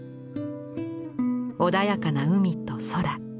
穏やかな海と空。